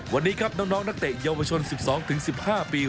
วันนี้ครับน้องนักเตะเยาวชน๑๒๑๕ปี